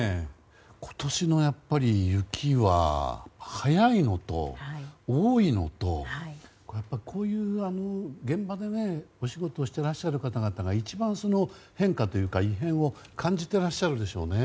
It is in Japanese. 今年の雪は早いのと多いのとやっぱり、こういう現場でお仕事をしていらっしゃる方々が一番、変化というか異変を感じてらっしゃるでしょうね。